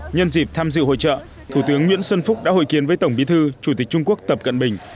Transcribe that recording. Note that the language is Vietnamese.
nhân dịp tham dự hội trợ thủ tướng nguyễn xuân phúc đã hội kiến với tổng bí thư chủ tịch trung quốc tập cận bình